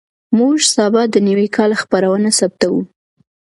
موږ سبا د نوي کال خپرونه ثبتوو.